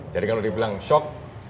jadi kalau dibilang shock